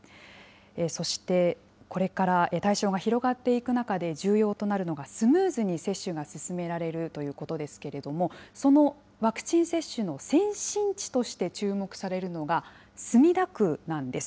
そしてこれから対象が広がっていく中で重要となるのが、スムーズに接種が進められるということですけれども、そのワクチン接種の先進地として注目されるのが、墨田区なんです。